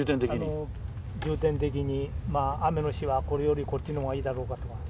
重点的にまあ雨の日はこれよりこっちの方がいいだろうかとか。